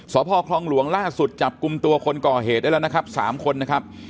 สพคลองหลวงล่าสุดจับกลุ่มตัวคนก่อเหตุได้แล้วนะครับ๓คนนะครับ